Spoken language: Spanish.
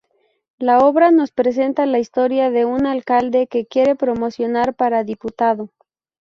La obra nos presenta la historia de un alcalde que quiere promocionar para diputado.